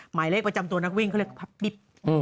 หมายเลขประจำตัวนักวิ่งเขาเรียกพับบิ๊บ